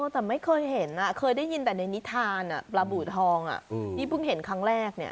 แต่ไม่เคยเห็นเคยได้ยินแต่ในนิทานปลาบูทองที่เพิ่งเห็นครั้งแรกเนี่ย